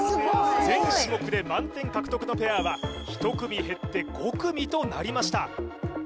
全種目で満点獲得のペアは１組減って５組となりました